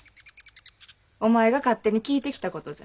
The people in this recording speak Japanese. お前が勝手に聞いてきたことじゃ。